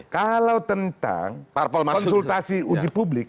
kalau tentang konsultasi uji publik